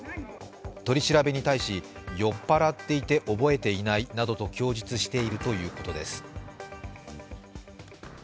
取り調べに対し、酔っ払っていて覚えていないなどと供述しているということです。